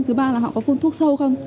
thứ ba là họ có phun thuốc sâu không